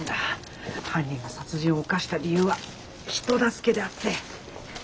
犯人が殺人を犯した理由は人助けであって。